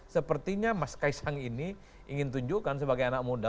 sepertinya mas kaisang ini ingin tunjukkan sebagai anak muda